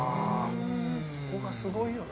そこがすごいよな。